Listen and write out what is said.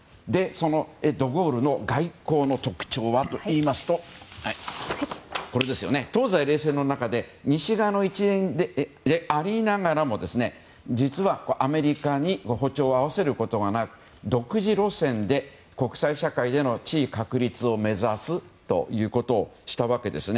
そのド・ゴールの外交の特徴といいますと東西冷戦の中で西側の一員でありながら実はアメリカに歩調を合わせることなく独自路線で国際社会での地位確立を目指すということをしたわけです。